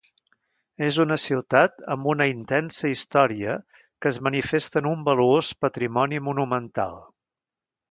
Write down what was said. És una ciutat amb una intensa història que es manifesta en un valuós patrimoni monumental.